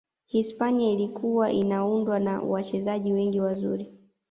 hispania ilikuwa inaundwa na wachezaji wengi wazuri